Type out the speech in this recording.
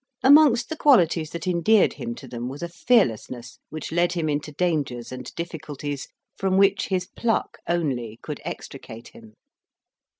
Amongst the qualities that endeared him to them was a fearlessness which led him into dangers and difficulties, from which his pluck only could extricate him.